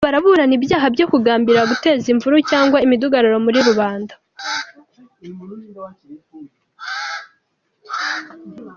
Barburana ibyaha byo kugambirira guteza imvuru cyangwa imidugararo muri rubanda.